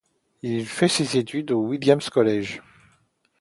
Il fait ses études au Williams College.